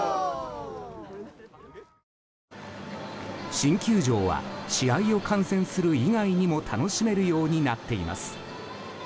新球場は試合を観戦する以外にも楽しめるようになっています。